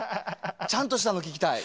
ちゃんとしたの聴きたい。